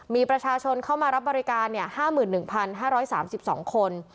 มีประชาชนเข้ามารับบริการเนี่ยห้าหมื่นหนึ่งพันห้าร้อยสามสิบสองคน